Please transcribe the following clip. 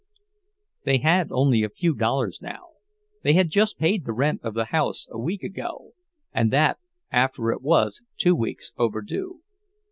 They had only a few dollars now—they had just paid the rent of the house a week ago, and that after it was two weeks overdue.